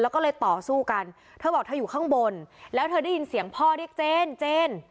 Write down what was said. แล้วก็เลยต่อสู้กันเธอบอกเธออยู่ข้างบนแล้วเธอได้ยินเสียงพ่อเรียกเจนเจน